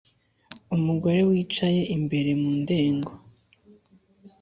Umugore wicaye imbere mu ndengo